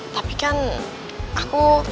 tapi kan aku